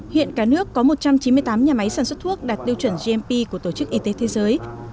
hiện cả nước có một trăm chín mươi tám nhà máy sản xuất thuốc đạt tiêu chuẩn gmp của tổ chức y tế thế giới